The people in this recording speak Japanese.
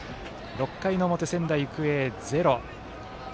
６回表、仙台育英、ゼロ。